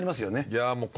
いやもう。